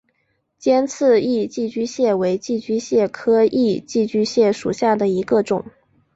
尖刺异寄居蟹为寄居蟹科异寄居蟹属下的一个种。